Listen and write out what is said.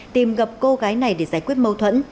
tìm gặp cô gái này để giải quyết mâu thuẫn